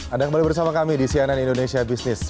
anda kembali bersama kami di cnn indonesia business